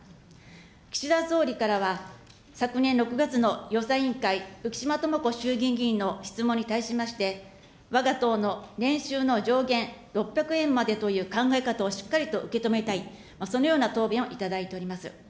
岸田総理からは、昨年６月の予算委員会、うきしまともこ衆議院議員の質問に対しまして、わが党の年収の上限６００円までという考え方をしっかりと受け止めたい、そのような答弁をいただいております。